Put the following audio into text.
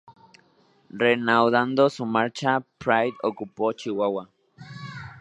Reanudando su marcha, Pride ocupó Chihuahua.